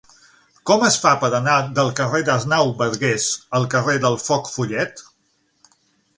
Com es fa per anar del carrer d'Arnau Bargués al carrer del Foc Follet?